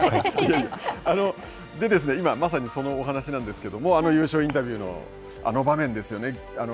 まさに今そのお話しなんですけれども、優勝インタビューの、あの場面ですよね。